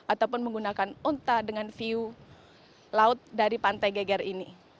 ataupun menggunakan unta dengan view laut dari pantai geger ini